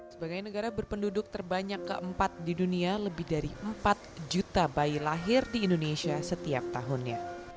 sebagai negara berpenduduk terbanyak keempat di dunia lebih dari empat juta bayi lahir di indonesia setiap tahunnya